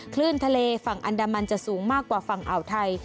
คลื่นทะเลฝั่งอันดามันจะสูงมากกว่าฝั่งอ่าวไทย